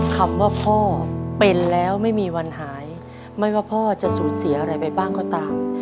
คำว่าพ่อเป็นแล้วไม่มีวันหายไม่ว่าพ่อจะสูญเสียอะไรไปบ้างก็ตาม